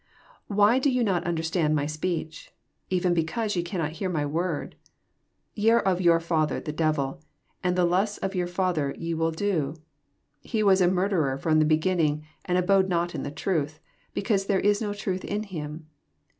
43 Why do ye not understand my Bpeeob 7 eve* because ye eannot hear my word. 44 Ye are of yow father the devil, and the losts of your father ye will do. He was a murderer firom the begin ning, and abode not in the truth, be cause there is no truth in him.